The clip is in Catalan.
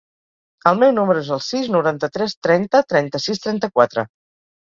El meu número es el sis, noranta-tres, trenta, trenta-sis, trenta-quatre.